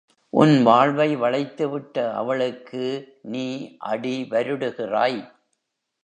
உன் வாழ்வை வளைத்துவிட்ட அவளுக்கு நீ அடி வருடுகிறாய்!